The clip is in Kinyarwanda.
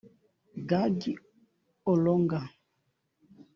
Gigi Alonga